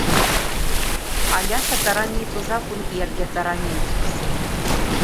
Алиас аҵара аниҵоз акәын иаргьы аҵара аниҵоз.